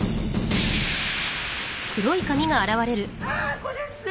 あっこれですね。